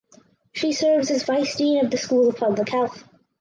She serves as Vice Dean of the School of Public Health.